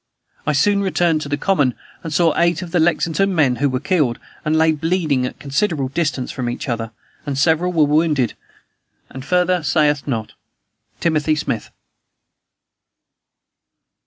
I soon returned to the common, and saw eight of the Lexington men who were killed, and lay bleeding at a considerable distance from each other; and several were wounded. And further saith not. "TIMOTHY SMITH."